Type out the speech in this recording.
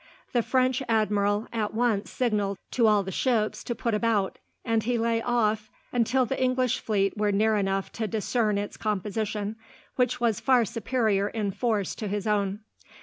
The French admiral at once signalled to all the ships to put about, and he lay off until the English fleet were near enough to discern its composition, which was far superior in force to his own.